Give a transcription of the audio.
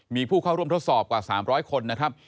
มีผู้เข้าร่วมทดสอบกว่า๓๐๐คนนะครับ